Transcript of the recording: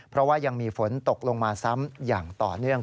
เพราะว่ายังมีฝนตกลงมาซ้ำอย่างต่อเนื่อง